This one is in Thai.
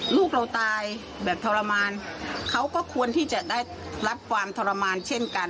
ลูกเราตายแบบทรมานเขาก็ควรที่จะได้รับความทรมานเช่นกัน